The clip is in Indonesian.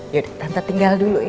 yaudah tante tinggal dulu ya